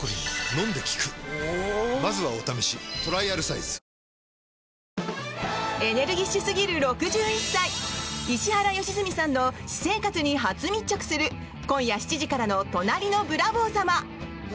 「エリエール」マスクもエネルギッシュすぎる６１歳、石原良純さんの私生活に初密着する今夜７時からの「隣のブラボー様」。